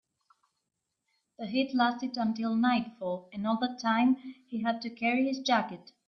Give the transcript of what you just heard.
The heat lasted until nightfall, and all that time he had to carry his jacket.